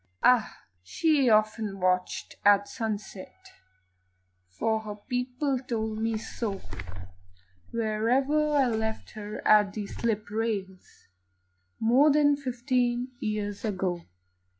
Ah! she often watched at sunset For her people told me so Where I left her at the slip rails More than fifteen years ago.